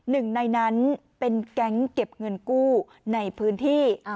หนึ่งในนั้นเป็นแก๊งเก็บเงินกู้ในพื้นที่